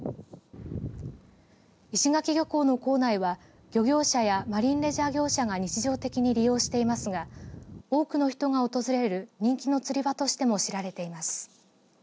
石垣漁港の港内は漁業者やマリンレジャー業者が日常的に利用していますが多くの人が訪れる人気の釣り場としても知られています。